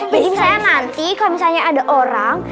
jadi misalnya nanti kalo misalnya ada orang